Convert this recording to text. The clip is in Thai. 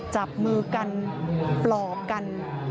จับมือกันปลอบกัน